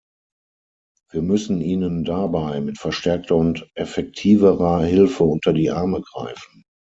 Wir müssen ihnen dabei mit verstärkter und effektiverer Hilfe unter die Arme greifen.